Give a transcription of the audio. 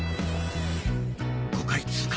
５階通過。